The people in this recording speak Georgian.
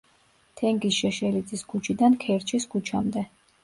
თენგიზ შეშელიძის ქუჩიდან ქერჩის ქუჩამდე.